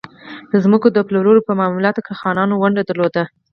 د ځمکو د پلور په معاملاتو کې خانانو ونډه درلوده.